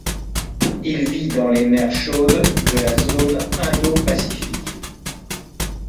Il vit dans les mers chaudes de la zone indopacifique.